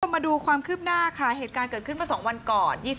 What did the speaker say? มาดูความคืบหน้าค่ะเหตุการณ์เกิดขึ้นมา๒วันก่อน